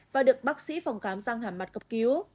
và được bác sĩ phòng khám răng hàm mặt cấp cứu